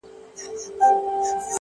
څه دي راوکړل د قرآن او د ګیتا لوري ـ